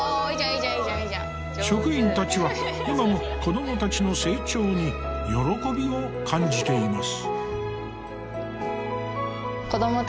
職員たちは今も子どもたちの成長に喜びを感じています。